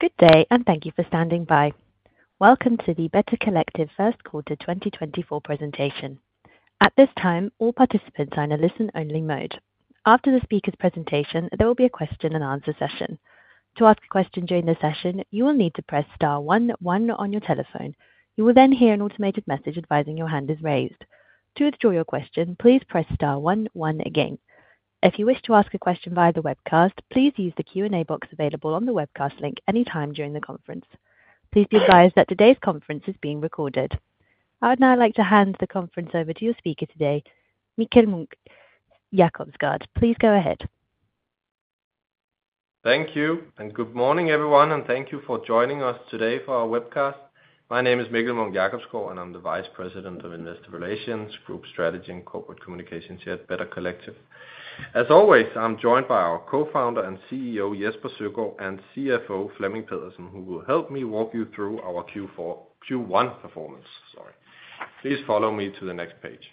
Good day, and thank you for standing by. Welcome to the Better Collective first quarter 2024 presentation. At this time, all participants are in a listen-only mode. After the speaker's presentation, there will be a question and answer session. To ask a question during the session, you will need to press star one one on your telephone. You will then hear an automated message advising your hand is raised. To withdraw your question, please press star one one again. If you wish to ask a question via the webcast, please use the Q&A box available on the webcast link anytime during the conference. Please be advised that today's conference is being recorded. I would now like to hand the conference over to your speaker today, Mikkel Munch-Jacobsgaard. Please go ahead. Thank you, and good morning, everyone, and thank you for joining us today for our webcast. My name is Mikkel Munch-Jacobsgaard, and I'm the Vice President of Investor Relations, Group Strategy, and Corporate Communications here at Better Collective. As always, I'm joined by our Co-Founder and CEO, Jesper Søgaard, and CFO, Flemming Pedersen, who will help me walk you through our Q1 performance, sorry. Please follow me to the next page.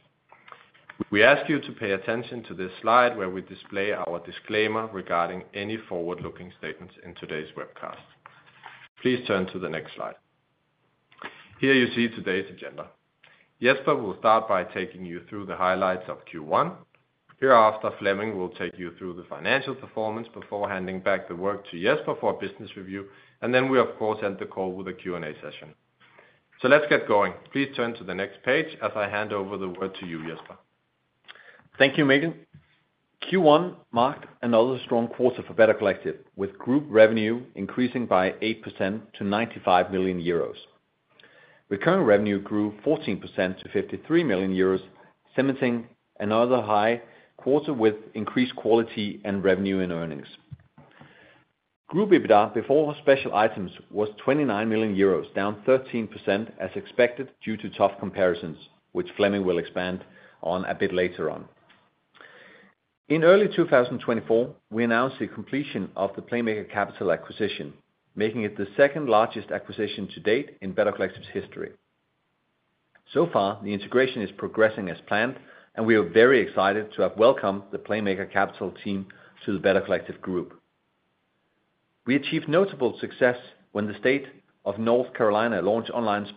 We ask you to pay attention to this slide, where we display our disclaimer regarding any forward-looking statements in today's webcast. Please turn to the next slide. Here you see today's agenda. Jesper will start by taking you through the highlights of Q1. Hereafter, Flemming will take you through the financial performance before handing back the work to Jesper for a business review, and then we, of course, end the call with a Q&A session. Let's get going. Please turn to the next page as I hand over the word to you, Jesper. Thank you, Mikkel. Q1 marked another strong quarter for Better Collective, with group revenue increasing by 8% to 95 million euros. Recurring revenue grew 14% to 53 million euros, cementing another high quarter with increased quality and revenue in earnings. Group EBITDA, before special items, was 29 million euros, down 13% as expected, due to tough comparisons, which Flemming will expand on a bit later on. In early 2024, we announced the completion of the Playmaker Capital acquisition, making it the second-largest acquisition to date in Better Collective's history. So far, the integration is progressing as planned, and we are very excited to have welcomed the Playmaker Capital team to the Better Collective group. We achieved notable success when the state of North Carolina launched online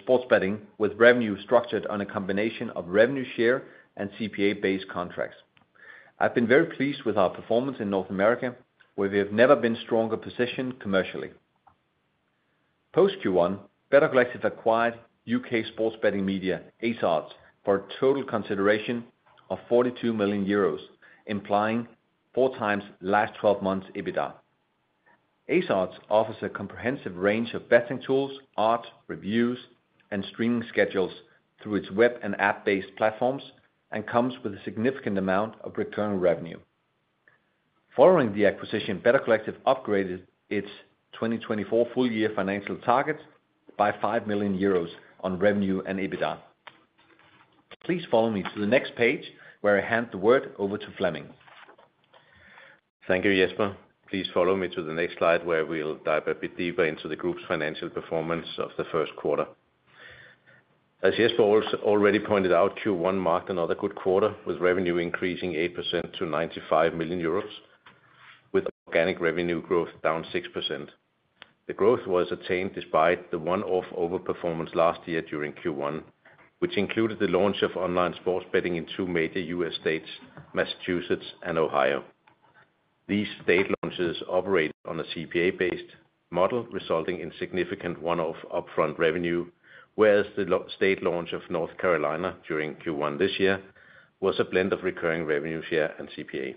sports betting, with revenue structured on a combination of revenue share and CPA-based contracts. I've been very pleased with our performance in North America, where we have never been stronger positioned commercially. Post Q1, Better Collective acquired UK sports betting media, AceOdds, for a total consideration of 42 million euros, implying 4x last 12 months EBITDA. AceOdds offers a comprehensive range of betting tools, odds, reviews, and streaming schedules through its web and app-based platforms and comes with a significant amount of recurring revenue. Following the acquisition, Better Collective upgraded its 2024 full-year financial target by 5 million euros on revenue and EBITDA. Please follow me to the next page, where I hand the word over to Flemming. Thank you, Jesper. Please follow me to the next slide, where we'll dive a bit deeper into the group's financial performance of the first quarter. As Jesper already pointed out, Q1 marked another good quarter, with revenue increasing 8% to 95 million euros, with organic revenue growth down 6%. The growth was attained despite the one-off overperformance last year during Q1, which included the launch of online sports betting in two major U.S. states, Massachusetts and Ohio. These state launches operate on a CPA-based model, resulting in significant one-off upfront revenue, whereas the state launch of North Carolina during Q1 this year was a blend of recurring revenue share and CPA.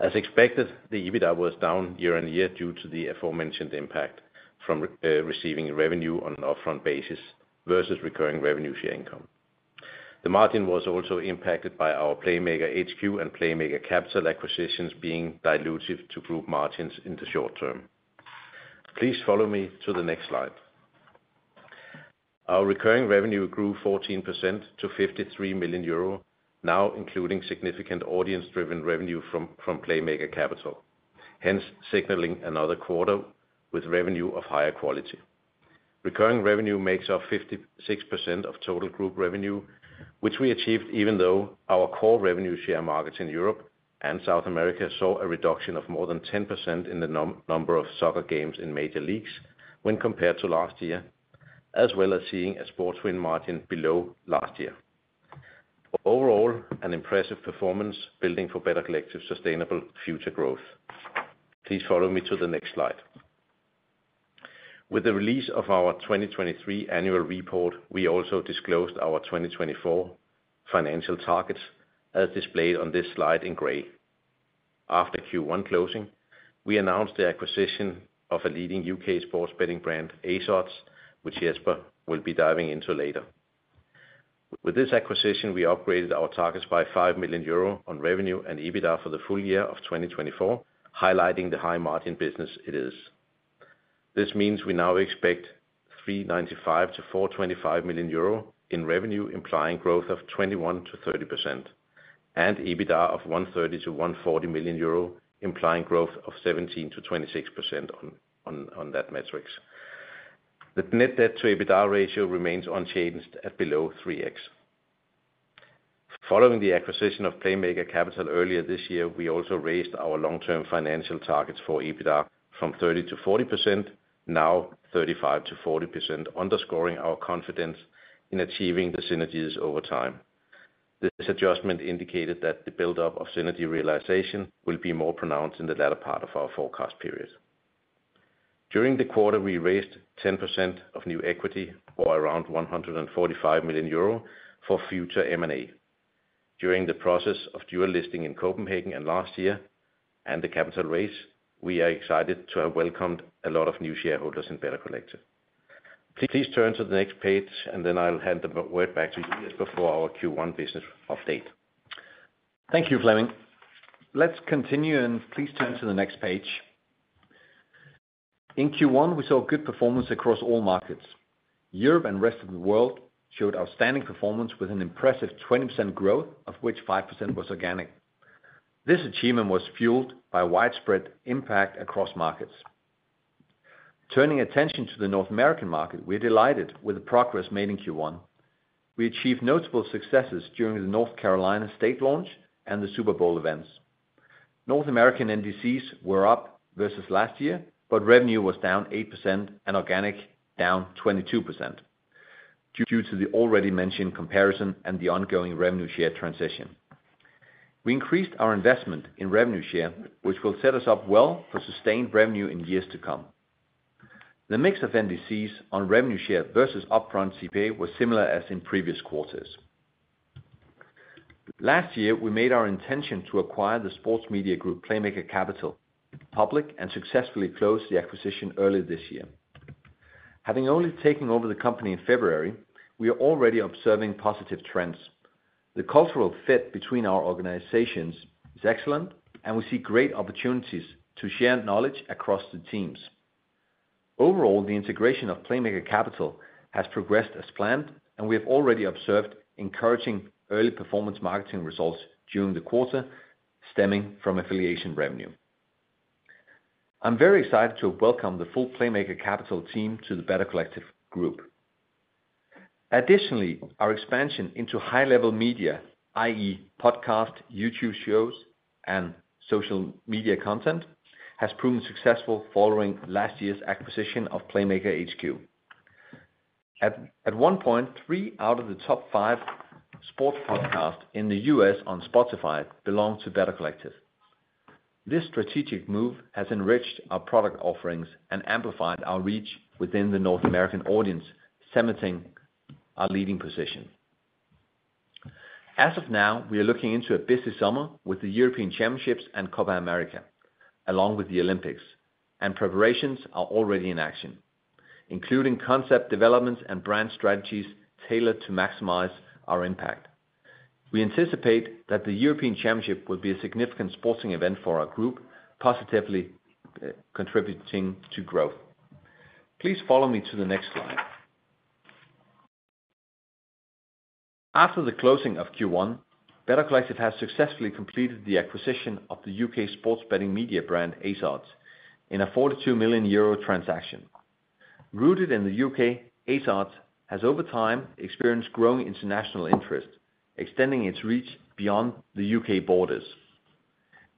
As expected, the EBITDA was down year-over-year due to the aforementioned impact from receiving revenue on an upfront basis versus recurring revenue share income. The margin was also impacted by our Playmaker HQ and Playmaker Capital acquisitions being dilutive to group margins in the short term. Please follow me to the next slide. Our recurring revenue grew 14% to 53 million euro, now including significant audience-driven revenue from Playmaker Capital, hence signaling another quarter with revenue of higher quality. Recurring revenue makes up 56% of total group revenue, which we achieved even though our core revenue share markets in Europe and South America saw a reduction of more than 10% in the number of soccer games in major leagues when compared to last year, as well as seeing a sports win margin below last year. Overall, an impressive performance building for Better Collective's sustainable future growth. Please follow me to the next slide. With the release of our 2023 annual report, we also disclosed our 2024 financial targets, as displayed on this slide in gray. After Q1 closing, we announced the acquisition of a leading U.K. sports betting brand, AceOdds, which Jesper will be diving into later. With this acquisition, we upgraded our targets by 5 million euro on revenue and EBITDA for the full year of 2024, highlighting the high-margin business it is. This means we now expect 395 million-425 million euro in revenue, implying growth of 21%-30%, and EBITDA of 130 million-140 million euro, implying growth of 17%-26% on that metrics. The net debt to EBITDA ratio remains unchanged at below 3x. Following the acquisition of Playmaker Capital earlier this year, we also raised our long-term financial targets for EBITDA from 30%-40%, now 35%-40%, underscoring our confidence in achieving the synergies over time. This adjustment indicated that the buildup of synergy realization will be more pronounced in the latter part of our forecast period. During the quarter, we raised 10% of new equity, or around 145 million euro, for future M&A. During the process of dual listing in Copenhagen and last year, and the capital raise, we are excited to have welcomed a lot of new shareholders in Better Collective. Please turn to the next page, and then I'll hand the word back to you Jesper for our Q1 business update. Thank you, Flemming. Let's continue, and please turn to the next page. In Q1, we saw good performance across all markets. Europe and rest of the world showed outstanding performance with an impressive 20% growth, of which 5% was organic. This achievement was fueled by widespread impact across markets. Turning attention to the North American market, we're delighted with the progress made in Q1. We achieved notable successes during the North Carolina state launch and the Super Bowl events. North American NDCs were up versus last year, but revenue was down 8% and organic down 22%, due to the already mentioned comparison and the ongoing revenue share transition. We increased our investment in revenue share, which will set us up well for sustained revenue in years to come. The mix of NDCs on revenue share versus upfront CPA was similar as in previous quarters. Last year, we made our intention to acquire the sports media group, Playmaker Capital, public and successfully closed the acquisition earlier this year. Having only taken over the company in February, we are already observing positive trends. The cultural fit between our organizations is excellent, and we see great opportunities to share knowledge across the teams. Overall, the integration of Playmaker Capital has progressed as planned, and we have already observed encouraging early performance marketing results during the quarter, stemming from affiliation revenue. I'm very excited to welcome the full Playmaker Capital team to the Better Collective group. Additionally, our expansion into high-level media, i.e., podcast, YouTube shows, and social media content, has proven successful following last year's acquisition of Playmaker HQ. At one point, three out of the top five sports podcast in the U.S. on Spotify belonged to Better Collective. This strategic move has enriched our product offerings and amplified our reach within the North American audience, cementing our leading position. As of now, we are looking into a busy summer with the European Championships and Copa America, along with the Olympics, and preparations are already in action, including concept developments and brand strategies tailored to maximize our impact. We anticipate that the European Championship will be a significant sporting event for our group, positively contributing to growth. Please follow me to the next slide. After the closing of Q1, Better Collective has successfully completed the acquisition of the U.K. sports betting media brand, AceOdds, in a 42 million euro transaction. Rooted in the U.K., AceOdds has, over time, experienced growing international interest, extending its reach beyond the UK borders.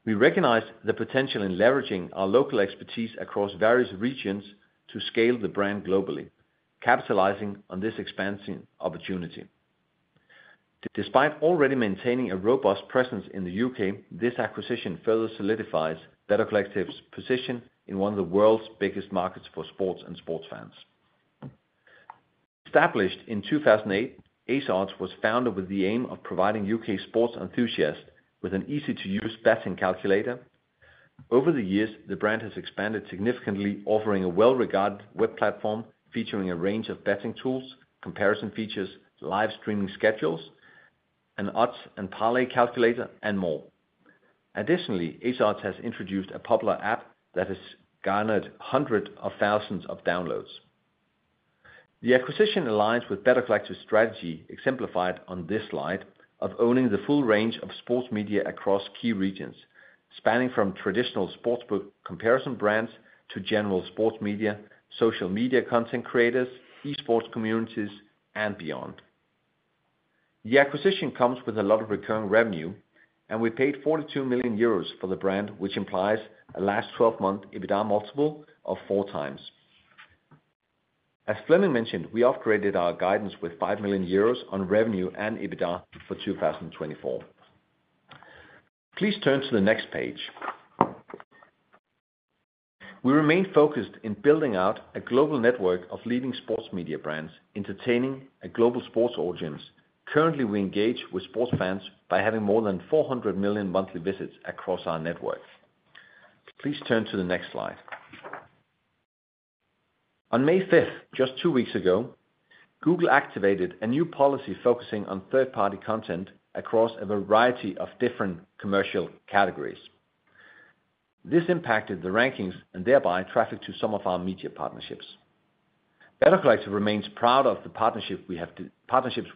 We recognize the potential in leveraging our local expertise across various regions to scale the brand globally, capitalizing on this expansion opportunity. Despite already maintaining a robust presence in the U.K., this acquisition further solidifies Better Collective's position in one of the world's biggest markets for sports and sports fans. Established in 2008, AceOdds was founded with the aim of providing U.K. sports enthusiasts with an easy-to-use betting calculator. Over the years, the brand has expanded significantly, offering a well-regarded web platform, featuring a range of betting tools, comparison features, live streaming schedules, an odds and parlay calculator, and more. Additionally, AceOdds has introduced a popular app that has garnered hundreds of thousands of downloads. The acquisition aligns with Better Collective's strategy, exemplified on this slide, of owning the full range of sports media across key regions, spanning from traditional sportsbook comparison brands to general sports media, social media content creators, e-sports communities, and beyond. The acquisition comes with a lot of recurring revenue, and we paid 42 million euros for the brand, which implies a last twelve-month EBITDA multiple of 4x. As Flemming mentioned, we upgraded our guidance with 5 million euros on revenue and EBITDA for 2024. Please turn to the next page. We remain focused in building out a global network of leading sports media brands, entertaining a global sports audience. Currently, we engage with sports fans by having more than 400 million monthly visits across our network. Please turn to the next slide. On May 5th, just two weeks ago, Google activated a new policy focusing on third-party content across a variety of different commercial categories. This impacted the rankings and thereby traffic to some of our media partnerships. Better Collective remains proud of the partnerships we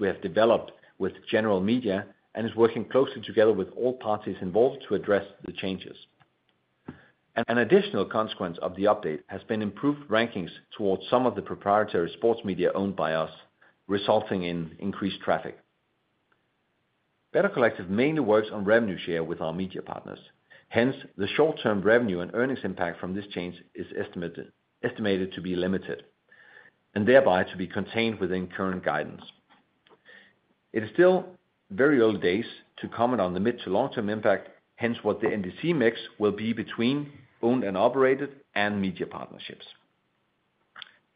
have developed with general media and is working closely together with all parties involved to address the changes. An additional consequence of the update has been improved rankings towards some of the proprietary sports media owned by us, resulting in increased traffic. Better Collective mainly works on revenue share with our media partners. Hence, the short-term revenue and earnings impact from this change is estimated to be limited, and thereby to be contained within current guidance. It is still very early days to comment on the mid- to long-term impact, hence, what the NDC mix will be between owned and operated and media partnerships.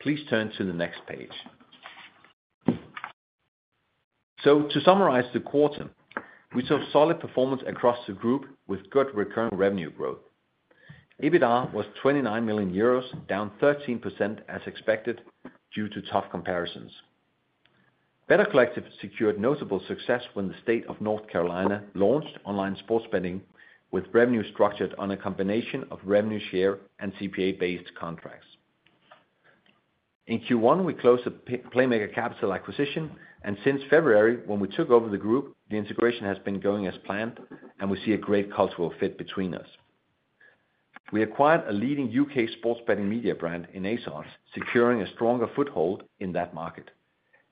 Please turn to the next page. So to summarize the quarter, we saw solid performance across the group with good recurring revenue growth. EBITDA was 29 million euros, down 13% as expected, due to tough comparisons. Better Collective secured notable success when the state of North Carolina launched online sports betting, with revenue structured on a combination of revenue share and CPA-based contracts. In Q1, we closed the Playmaker Capital acquisition, and since February, when we took over the group, the integration has been going as planned, and we see a great cultural fit between us. We acquired a leading UK sports betting media brand in AceOdds, securing a stronger foothold in that market.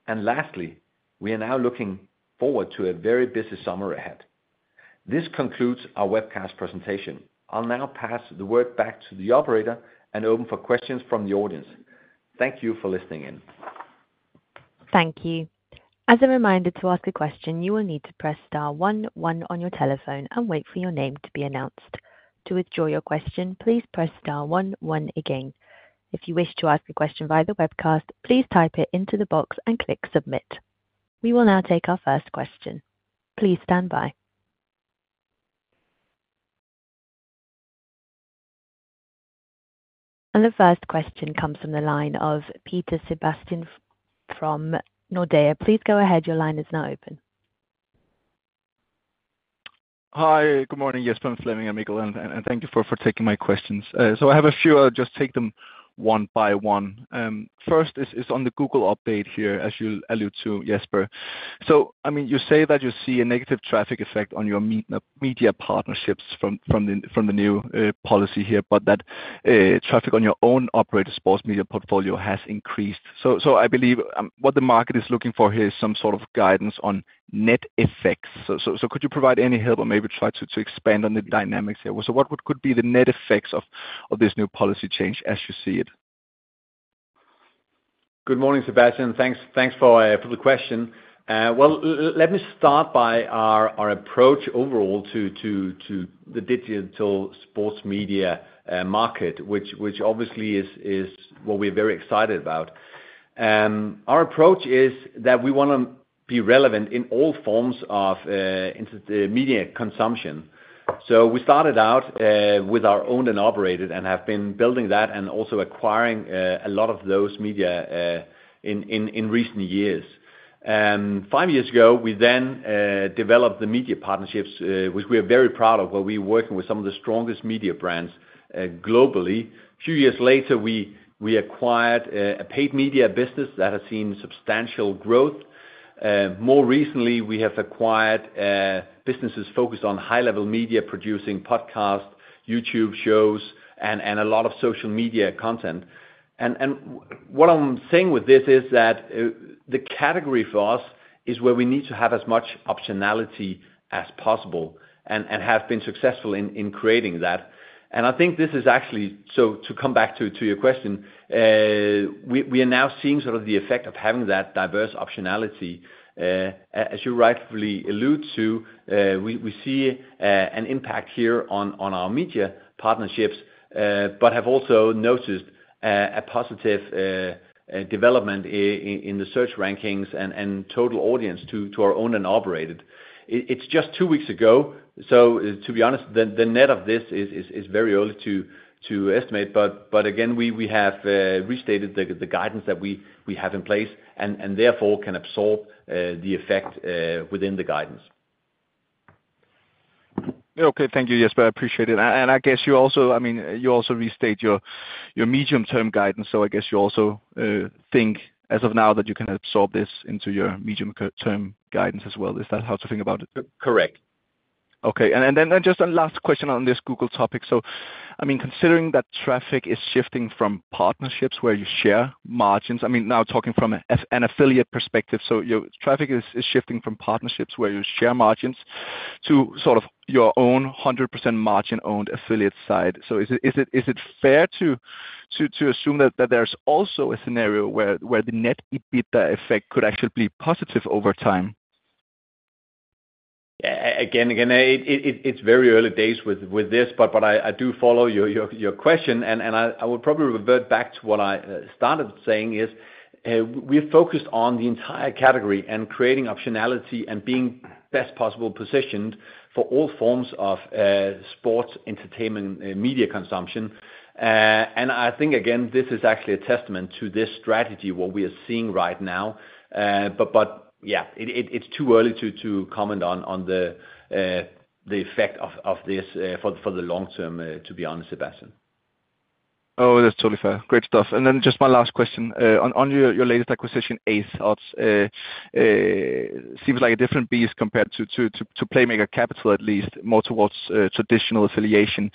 Lastly, we are now looking forward to a very busy summer ahead. This concludes our webcast presentation. I'll now pass the word back to the operator and open for questions from the audience. Thank you for listening in. Thank you. As a reminder, to ask a question, you will need to press star one one on your telephone and wait for your name to be announced. To withdraw your question, please press star one one again. If you wish to ask a question via the webcast, please type it into the box and click submit. We will now take our first question. Please stand by. The first question comes from the line of Peter Sebastian from Nordea. Please go ahead. Your line is now open. Hi, good morning, Jesper and Flemming and Mikkel, and thank you for taking my questions. So I have a few. I'll just take them one by one. First is on the Google update here, as you allude to, Jesper. So, I mean, you say that you see a negative traffic effect on your media partnerships from the new policy here, but that traffic on your own operator sports media portfolio has increased. So I believe what the market is looking for here is some sort of guidance on net effects. So could you provide any help or maybe try to expand on the dynamics there? So what could be the net effects of this new policy change as you see it? Good morning, Sebastian. Thanks, thanks for the question. Let me start by our approach overall to the digital sports media market, which obviously is what we're very excited about. Our approach is that we wanna be relevant in all forms of media consumption. So we started out with our owned and operated and have been building that and also acquiring a lot of those media in recent years. 5 years ago, we then developed the media partnerships which we are very proud of, where we're working with some of the strongest media brands globally. A few years later, we acquired a paid media business that has seen substantial growth. More recently, we have acquired businesses focused on high-level media, producing podcasts, YouTube shows, and a lot of social media content. What I'm saying with this is that, the category for us is where we need to have as much optionality as possible and have been successful in creating that. And I think this is actually... So to come back to your question, we are now seeing sort of the effect of having that diverse optionality. As you rightfully allude to, we see an impact here on our media partnerships, but have also noticed a positive development in the search rankings and total audience to our owned and operated. It's just two weeks ago, so to be honest, the net of this is very early to estimate, but again, we have restated the guidance that we have in place, and therefore, can absorb the effect within the guidance. Okay. Thank you, Jesper. I appreciate it. And I guess you also, I mean, you also restate your medium-term guidance, so I guess you also think as of now that you can absorb this into your medium-term guidance as well. Is that how to think about it? Correct. Okay. Then just one last question on this Google topic. So, I mean, considering that traffic is shifting from partnerships where you share margins, I mean, now talking from a, as an affiliate perspective, so your traffic is shifting from partnerships where you share margins to sort of your own 100% margin-owned affiliate side. So is it fair to assume that there's also a scenario where the net EBITDA effect could actually be positive over time? Yeah. Again, it's very early days with this, but I do follow your question, and I will probably revert back to what I started saying is, we're focused on the entire category and creating optionality and being best possible positioned for all forms of sports, entertainment, and media consumption. And I think, again, this is actually a testament to this strategy, what we are seeing right now. But yeah, it's too early to comment on the effect of this for the long term, to be honest, Sebastian. Oh, that's totally fair. Great stuff. And then just my last question, on your latest acquisition, AceOdds, seems like a different beast compared to Playmaker Capital, at least more towards traditional affiliation.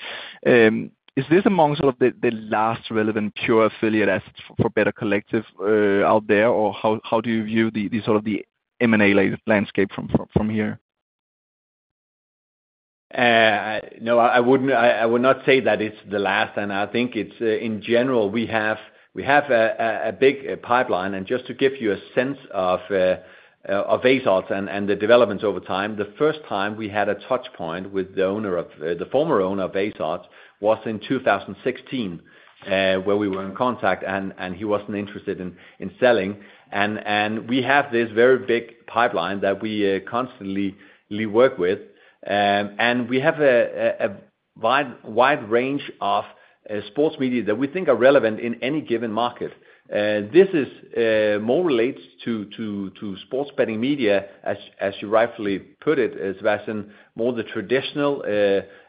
Is this amongst sort of the last relevant pure affiliate assets for Better Collective out there, or how do you view the sort of the M&A landscape from here? No, I wouldn't, I would not say that it's the last, and I think it's in general, we have a big pipeline. And just to give you a sense of AceOdds and the developments over time, the first time we had a touch point with the owner of the former owner of AceOdds was in 2016, where we were in contact and he wasn't interested in selling. And we have this very big pipeline that we constantly work with. And we have a wide range of sports media that we think are relevant in any given market. This is more relates to sports betting media as you rightfully put it, Sebastian, more the traditional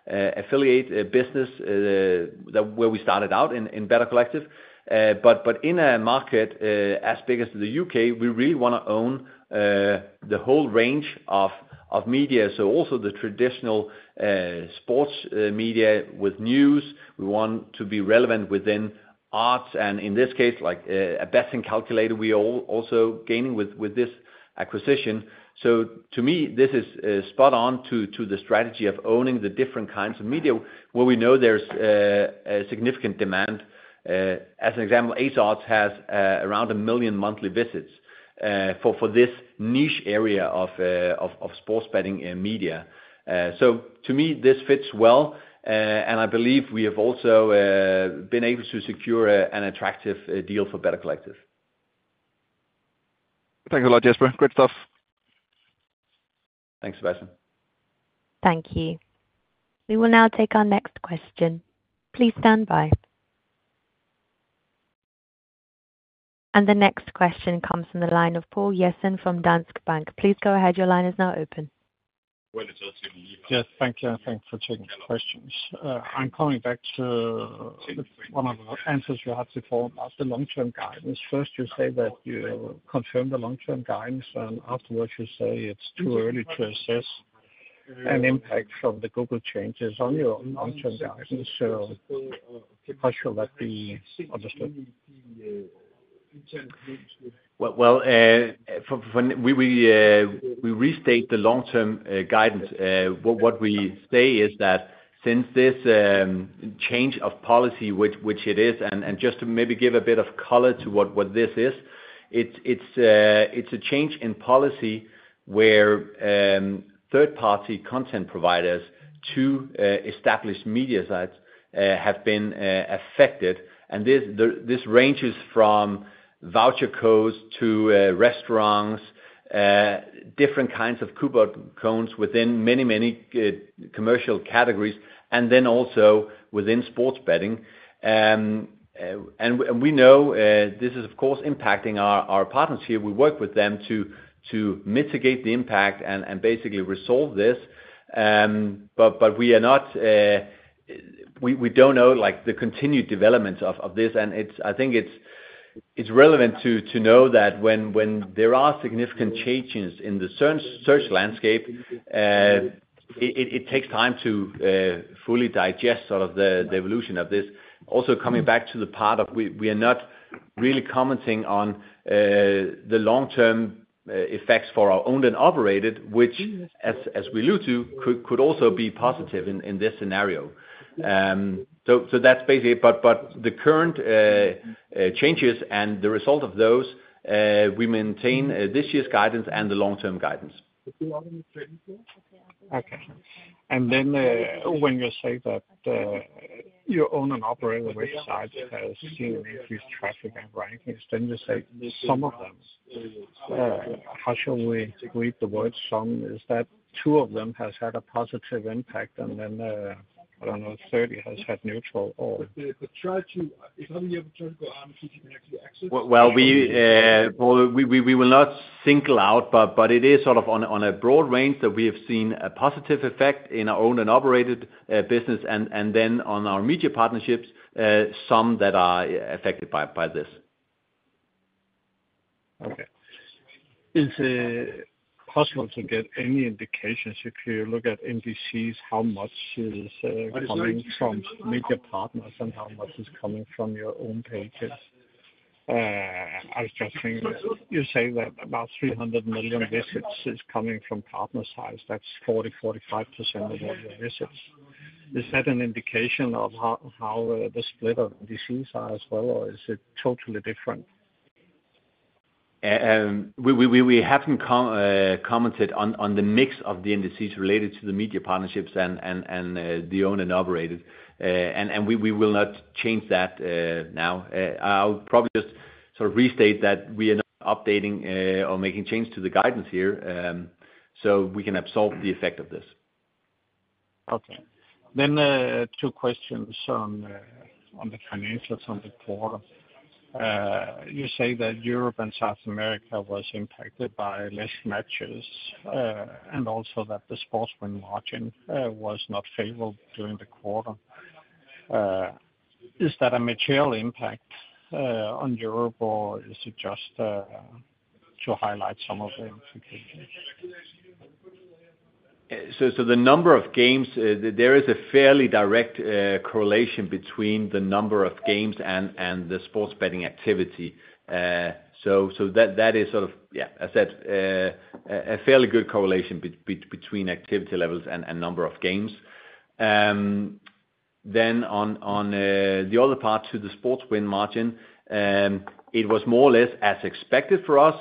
affiliate business that where we started out in Better Collective. But in a market as big as the UK, we really wanna own the whole range of media. So also the traditional sports media with news. We want to be relevant within odds, and in this case, like, a betting calculator, we all also gaining with this acquisition. So to me, this is spot on to the strategy of owning the different kinds of media where we know there's a significant demand. As an example, AceOdds has around 1 million monthly visits for this niche area of sports betting in media. So to me, this fits well, and I believe we have also been able to secure an attractive deal for Better Collective. Thanks a lot, Jesper. Great stuff. Thanks, Sebastian. Thank you. We will now take our next question. Please stand by. The next question comes from the line of Poul Jessen from Danske Bank. Please go ahead. Your line is now open. Yes. Thank you, and thanks for taking the questions. I'm coming back to one of the answers you had before about the long-term guidance. First, you say that you confirm the long-term guidance, and afterwards, you say it's too early to assess an impact from the Google changes on your long-term guidance. So how should that be understood? Well, well, from when we restate the long-term guidance, what we say is that since this change of policy, which it is, and just to maybe give a bit of color to what this is, it's a change in policy where third-party content providers to establish media sites have been affected. And this ranges from voucher codes to restaurants, different kinds of coupon codes within many commercial categories, and then also within sports betting. And we know this is of course impacting our partners here. We work with them to mitigate the impact and basically resolve this. But we are not, we don't know, like, the continued development of this, and it's. I think it's relevant to know that when there are significant changes in the search landscape, it takes time to fully digest sort of the evolution of this. Also, coming back to the part of we are not really commenting on the long-term effects for our owned and operated, which, as we look to, could also be positive in this scenario. So that's basically it. But the current changes and the result of those, we maintain this year's guidance and the long-term guidance. Okay. And then, when you say that, you own and operate, which sites has seen increased traffic and rankings, then you say some of them. How shall we read the word some? Is that two of them has had a positive impact, and then, I don't know, if 30 has had neutral or? Well, we will not single out, but it is sort of on a broad range that we have seen a positive effect in our owned and operated business, and then on our media partnerships, some that are affected by this. Okay. Is it possible to get any indications if you look at NDCs, how much is coming from media partners and how much is coming from your own pages? I was just thinking, you say that about 300 million visits is coming from partner sites. That's 40%-45% of all your visits. Is that an indication of how the split of NDCs are as well, or is it totally different? We haven't commented on the mix of the NDCs related to the media partnerships and the owned and operated. We will not change that now. I'll probably just sort of restate that we are not updating or making changes to the guidance here, so we can absorb the effect of this. Okay. Then, two questions on, on the financials on the quarter. You say that Europe and South America was impacted by less matches, and also that the sports win margin was not favorable during the quarter. Is that a material impact on Europe, or is it just to highlight some of the implications? So, the number of games, there is a fairly direct correlation between the number of games and the sports betting activity. So, that is sort of, yeah, as said, a fairly good correlation between activity levels and number of games. Then on the other part to the sports win margin, it was more or less as expected for us,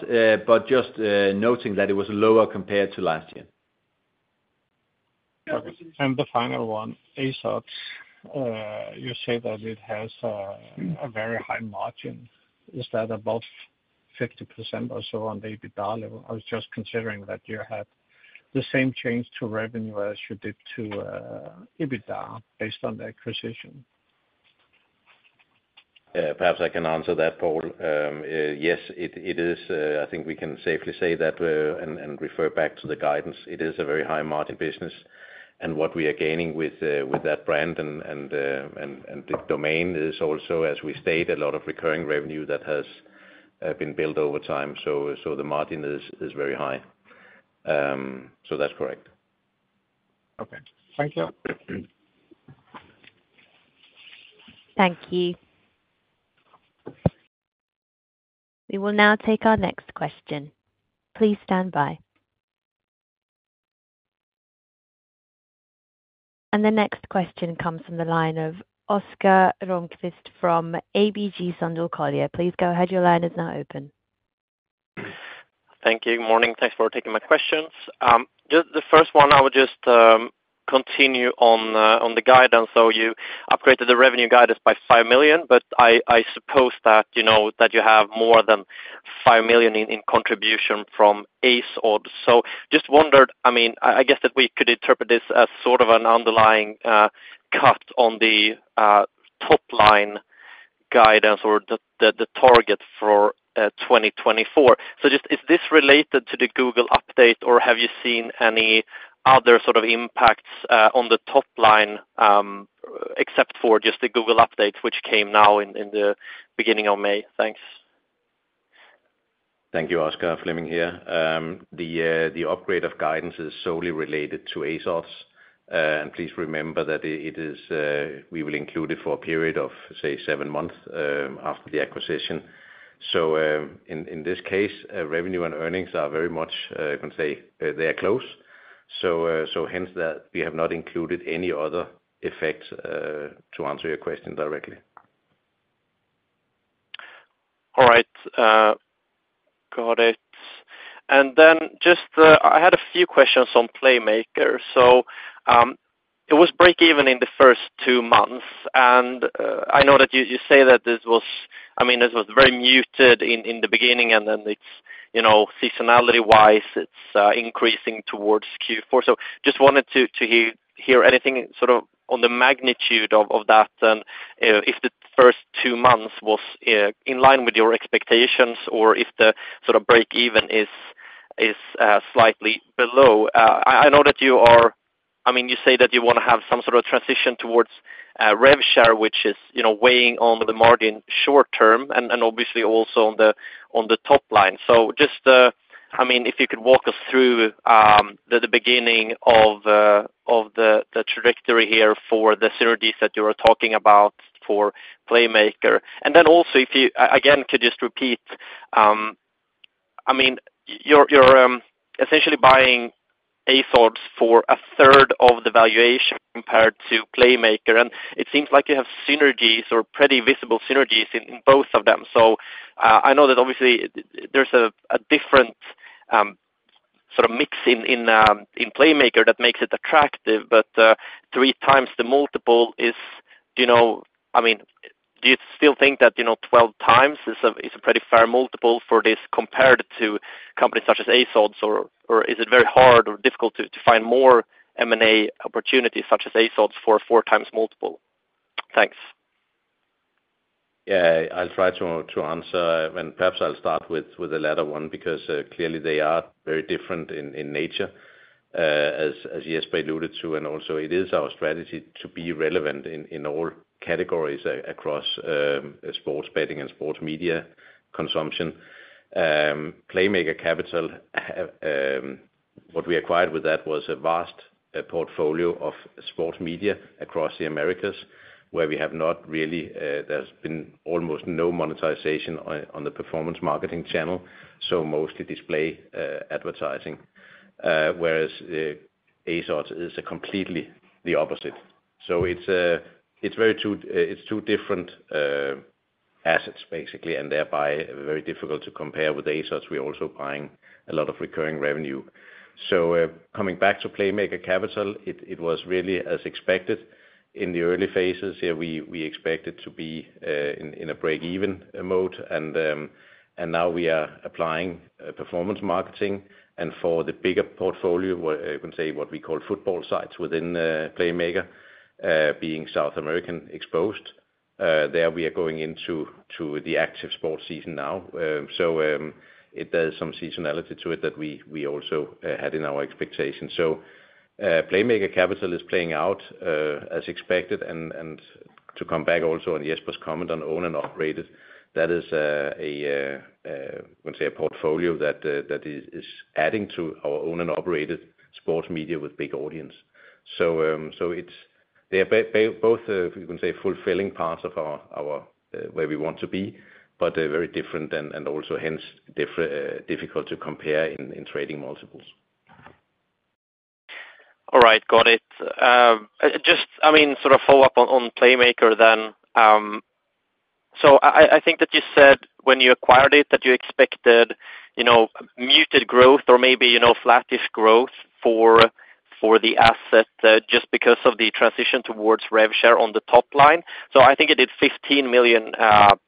but just noting that it was lower compared to last year. The final one, AceOdds, you say that it has a very high margin. Is that above 50% or so on the EBITDA level? I was just considering that you had the same change to revenue as you did to EBITDA based on the acquisition. Perhaps I can answer that, Poul. Yes, it is. I think we can safely say that and refer back to the guidance. It is a very high-margin business, and what we are gaining with that brand and the domain is also, as we stated, a lot of recurring revenue that has been built over time. So the margin is very high. So that's correct. Okay. Thank you. Thank you. We will now take our next question. Please stand by. The next question comes from the line of Oscar Rönnqvist from ABG Sundal Collier. Please go ahead. Your line is now open. Thank you. Good morning. Thanks for taking my questions. Just the first one, I would just continue on the guidance. So you upgraded the revenue guidance by 5 million, but I suppose that, you know, that you have more than 5 million in contribution from AceOdds. So just wondered, I mean, I guess that we could interpret this as sort of an underlying cut on the top-line guidance or the target for 2024. So just is this related to the Google update, or have you seen any other sort of impacts on the top line, except for just the Google update, which came now in the beginning of May? Thanks. Thank you, Oscar. Flemming here. The upgrade of guidance is solely related to AceOdds. And please remember that it is we will include it for a period of, say, seven months after the acquisition. So, in this case, revenue and earnings are very much you can say they are close. So hence that we have not included any other effects to answer your question directly. All right. Got it. And then just, I had a few questions on Playmaker. So, it was breakeven in the first two months, and I know that you say that this was—I mean, this was very muted in the beginning, and then it's, you know, seasonality-wise, it's increasing towards Q4. So just wanted to hear anything sort of on the magnitude of that, and if the first two months was in line with your expectations or if the sort of breakeven is slightly below. I know that you are... I mean, you say that you wanna have some sort of transition towards rev share, which is, you know, weighing on the margin short term and obviously also on the top line. So just, I mean, if you could walk us through the beginning of the trajectory here for the synergies that you were talking about for Playmaker. And then also if you could just repeat, I mean, you're essentially buying AceOdds for a third of the valuation compared to Playmaker, and it seems like you have synergies or pretty visible synergies in both of them. So I know that obviously there's a different sort of mix in Playmaker that makes it attractive, but three times the multiple is, you know, I mean, do you still think that, you know, twelve times is a pretty fair multiple for this compared to companies such as AceOdds? Is it very hard or difficult to find more M&A opportunities, such as AceOdds, for 4x multiple? Thanks. Yeah, I'll try to answer, and perhaps I'll start with the latter one, because clearly they are very different in nature, as Jesper alluded to, and also it is our strategy to be relevant in all categories across sports betting and sports media consumption. Playmaker Capital, what we acquired with that was a vast portfolio of sports media across the Americas, where we have not really, there's been almost no monetization on the performance marketing channel, so mostly display advertising, whereas AceOdds is completely the opposite. So it's two different assets, basically, and thereby very difficult to compare. With AceOdds, we're also buying a lot of recurring revenue. So, coming back to Playmaker Capital, it was really as expected. In the early phases here, we expect it to be in a breakeven mode, and now we are applying performance marketing. For the bigger portfolio, I can say what we call football sites within Playmaker, being South American exposed. There we are going into to the active sports season now. So, there is some seasonality to it that we also had in our expectations. So, Playmaker Capital is playing out as expected. And to come back also on Jesper's comment on owned and operated, that is, let's say a portfolio that is adding to our owned and operated sports media with big audience. So, it's, they are both, you can say, fulfilling parts of our where we want to be, but they're very different and also hence difficult to compare in trading multiples. All right, got it. Just, I mean, sort of follow up on Playmaker then. So I think that you said when you acquired it, that you expected, you know, muted growth or maybe, you know, flattish growth for the asset, just because of the transition towards rev share on the top line. So I think it did 15 million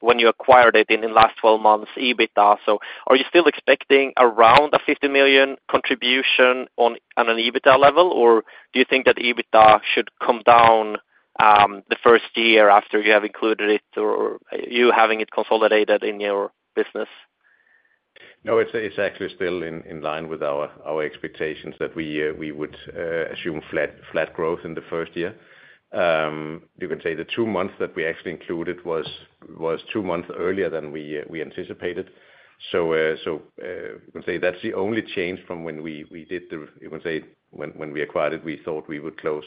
when you acquired it in the last 12 months, EBITDA. So are you still expecting around a 50 million contribution on an EBITDA level? Or do you think that EBITDA should come down the first year after you have included it, or you having it consolidated in your business? No, it's actually still in line with our expectations that we would assume flat growth in the first year. You can say the two months that we actually included was two months earlier than we anticipated. So, you can say that's the only change from when we did the... You can say, when we acquired it, we thought we would close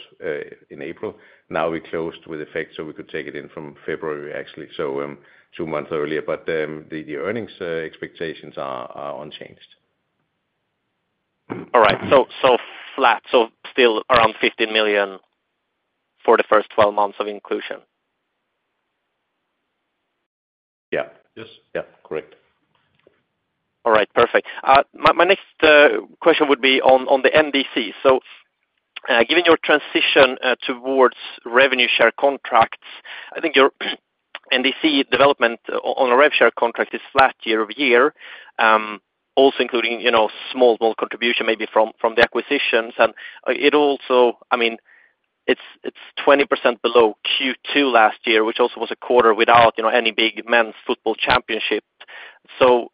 in April. Now, we closed with effect, so we could take it in from February, actually, so, two months earlier. But, the earnings expectations are unchanged. All right. So, so flat, so still around 50 million for the first 12 months of inclusion? Yeah. Yes. Yeah, correct. All right, perfect. My next question would be on the NDC. So, given your transition towards revenue share contracts, I think your NDC development on a rev share contract is flat year-over-year. Also including, you know, small contribution maybe from the acquisitions. And it also... I mean, it's 20% below Q2 last year, which also was a quarter without, you know, any big men's football championship. So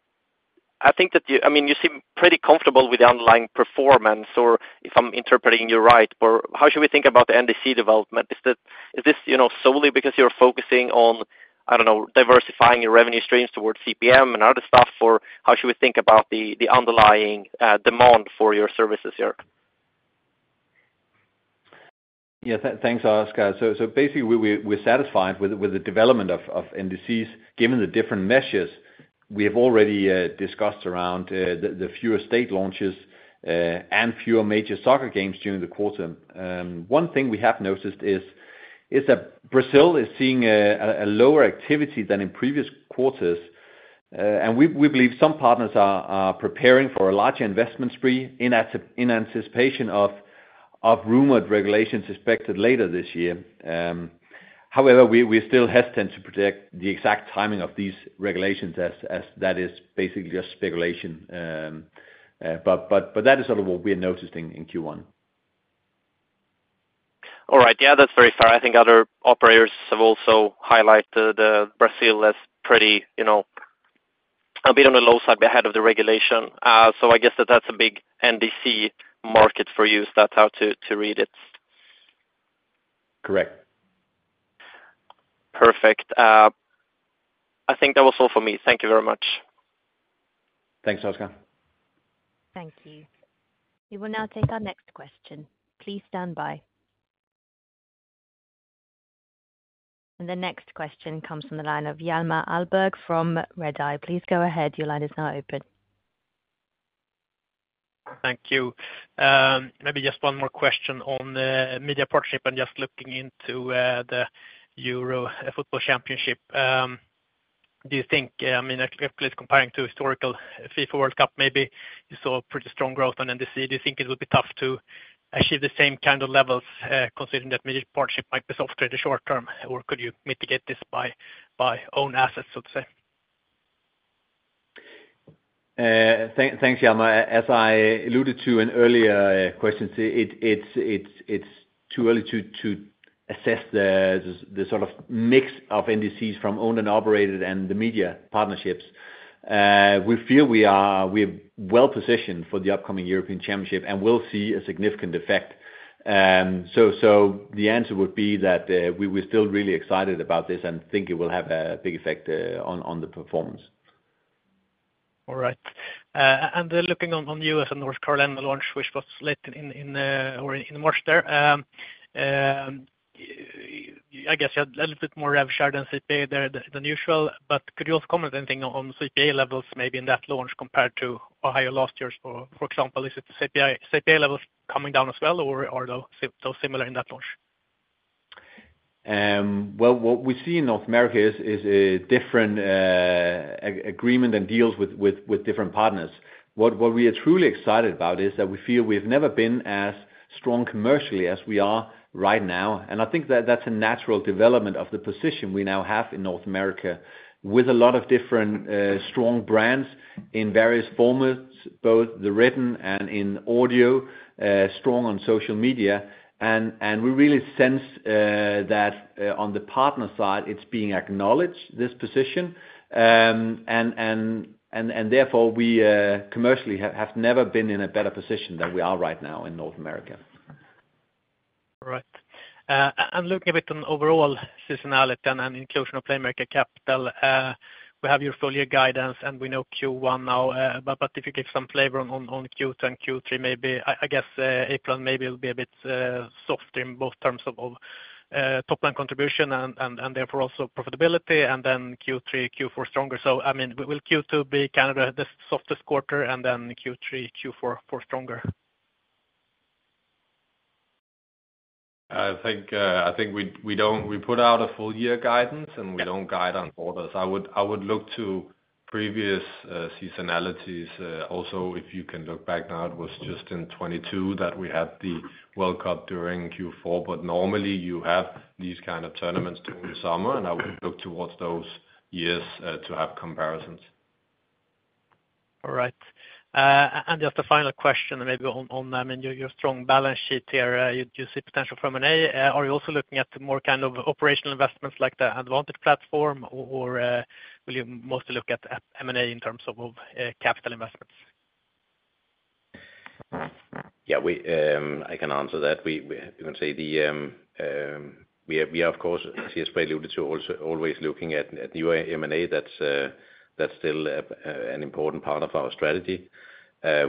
I think that you, I mean, you seem pretty comfortable with the underlying performance, or if I'm interpreting you right. Or how should we think about the NDC development? Is that, is this, you know, solely because you're focusing on, I don't know, diversifying your revenue streams towards CPM and other stuff? Or how should we think about the underlying demand for your services here? Yeah, thanks, Oscar. So basically, we're satisfied with the development of NDCs, given the different measures we have already discussed around the fewer state launches and fewer major soccer games during the quarter. One thing we have noticed is that Brazil is seeing a lower activity than in previous quarters. And we believe some partners are preparing for a larger investment spree in anticipation of rumored regulations expected later this year. However, we still hesitant to predict the exact timing of these regulations, as that is basically just speculation. But that is sort of what we're noticing in Q1. All right. Yeah, that's very fair. I think other operators have also highlighted the Brazil as pretty, you know, a bit on the low side ahead of the regulation. So I guess that that's a big NDC market for you, if that's how to read it. Correct. Perfect. I think that was all for me. Thank you very much. Thanks, Oscar. Thank you. We will now take our next question. Please stand by. The next question comes from the line of Hjalmar Ahlberg from Redeye. Please go ahead. Your line is now open. Thank you. Maybe just one more question on the media partnership and just looking into, the Euro Football Championship. Do you think, I mean, at least comparing to historical FIFA World Cup, maybe you saw pretty strong growth on NDC. Do you think it will be tough to achieve the same kind of levels, considering that media partnership might be softer in the short term, or could you mitigate this by own assets, so to say? Thanks, Hjalmar. As I alluded to in earlier questions, it's too early to assess the sort of mix of NDCs from owned and operated and the media partnerships. We feel we are well positioned for the upcoming European Championship, and we'll see a significant effect. The answer would be that, we're still really excited about this and think it will have a big effect on the performance. All right. And then looking on, on U.S. and North Carolina launch, which was late in, in, or in March there. I guess you had a little bit more rev share than CPA there than usual, but could you also comment anything on CPA levels, maybe in that launch, compared to Ohio last year, for example, is it the CPI- CPA levels coming down as well, or are they still similar in that launch? Well, what we see in North America is a different agreement and deals with different partners. What we are truly excited about is that we feel we've never been as strong commercially as we are right now. And I think that that's a natural development of the position we now have in North America, with a lot of different strong brands in various formats, both the written and in audio, strong on social media. And we really sense that on the partner side, it's being acknowledged, this position. And therefore, we commercially have never been in a better position than we are right now in North America. All right. And looking a bit on overall seasonality and inclusion of Playmaker Capital, we have your full year guidance, and we know Q1 now. But if you give some flavor on Q2 and Q3, maybe I guess April maybe will be a bit soft in both terms of top-line contribution and therefore also profitability, and then Q3, Q4 stronger. So I mean, will Q2 be kind of the softest quarter and then Q3, Q4 more stronger? I think we put out a full year guidance, and we don't guide on quarters. I would look to previous seasonalities. Also, if you can look back now, it was just in 2022 that we had the World Cup during Q4, but normally you have these kind of tournaments during summer, and I would look towards those years to have comparisons. All right. And just a final question, maybe on, I mean, your strong balance sheet here. You do see potential from M&A. Are you also looking at more kind of operational investments like the AdVantage platform, or will you mostly look at M&A in terms of capital investments? Yeah, I can answer that. You can say we are of course, as Jesper alluded to, also always looking at new M&A. That's still an important part of our strategy.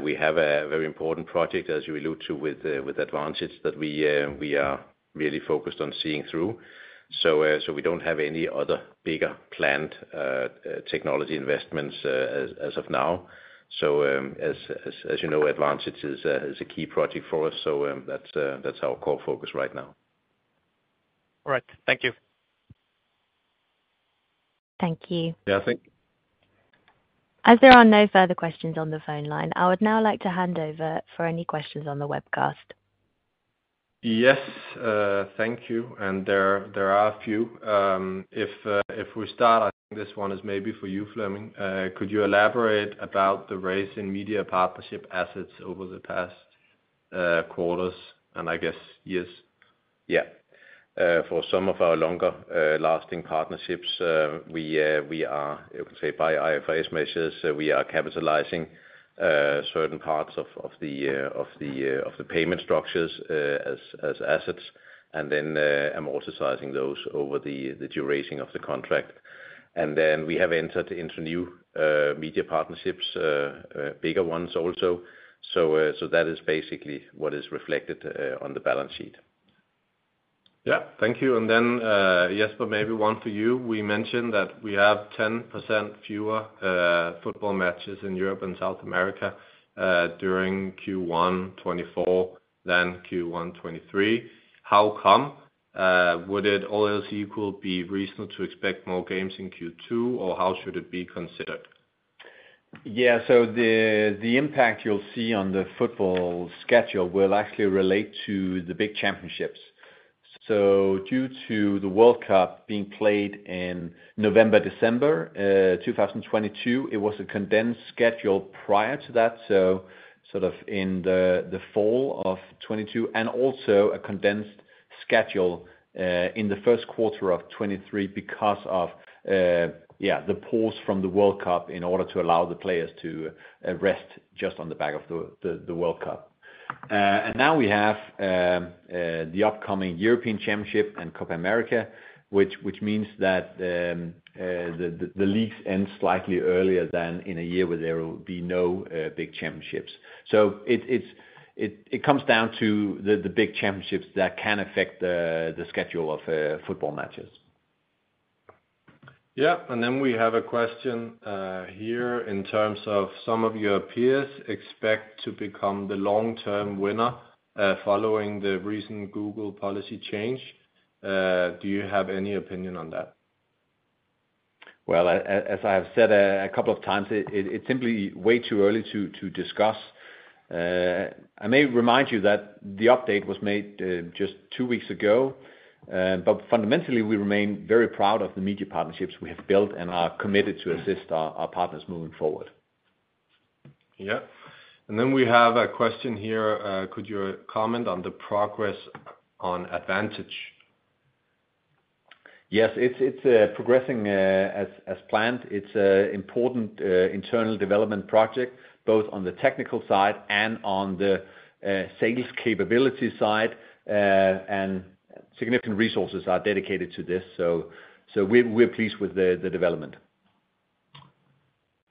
We have a very important project, as you allude to, with AdVantage, that we are really focused on seeing through. So, we don't have any other bigger planned technology investments, as of now. So, as you know, AdVantage is a key project for us. So, that's our core focus right now. All right. Thank you. Thank you. Yeah, thank. As there are no further questions on the phone line, I would now like to hand over for any questions on the webcast. Yes, thank you. And there are a few. If we start, I think this one is maybe for you, Flemming. Could you elaborate about the racing media partnership assets over the past quarters, and I guess years? Yeah. For some of our longer lasting partnerships, we are, you could say, by IFRS measures, we are capitalizing certain parts of the payment structures as assets, and then amortizing those over the duration of the contract. And then we have entered into new media partnerships, bigger ones also. So that is basically what is reflected on the balance sheet. Yeah. Thank you. And then, Jesper, maybe one for you. We mentioned that we have 10% fewer football matches in Europe and South America during Q1 2024 than Q1 2023. How come? Would it all else equal be reasonable to expect more games in Q2, or how should it be considered? Yeah. So the impact you'll see on the football schedule will actually relate to the big championships. So due to the World Cup being played in November, December, 2022, it was a condensed schedule prior to that, so sort of in the fall of 2022, and also a condensed schedule in the first quarter of 2023 because of yeah, the pause from the World Cup in order to allow the players to rest just on the back of the World Cup. And now we have the upcoming European Championship and Copa America, which means that the leagues end slightly earlier than in a year where there will be no big championships. So it comes down to the big championships that can affect the schedule of football matches. Yeah. And then we have a question here in terms of some of your peers expect to become the long-term winner following the recent Google policy change. Do you have any opinion on that? Well, as I have said a couple of times, it's simply way too early to discuss. I may remind you that the update was made just two weeks ago. But fundamentally, we remain very proud of the media partnerships we have built and are committed to assist our partners moving forward. Yeah. And then we have a question here. Could you comment on the progress on AdVantage? Yes. It's progressing as planned. It's a important internal development project, both on the technical side and on the sales capability side. And significant resources are dedicated to this, so we're pleased with the development.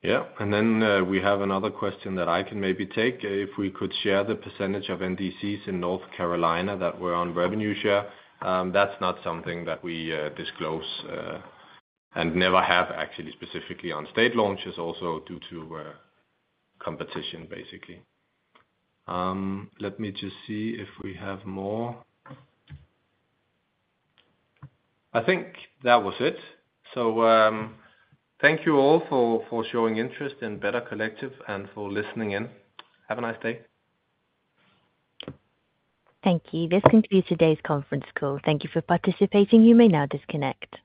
Yeah. And then, we have another question that I can maybe take. If we could share the percentage of NDCs in North Carolina that were on revenue share? That's not something that we, disclose, and never have actually, specifically on state launches, also due to, competition, basically. Let me just see if we have more. I think that was it. So, thank you all for, for showing interest in Better Collective and for listening in. Have a nice day. Thank you. This concludes today's conference call. Thank you for participating. You may now disconnect.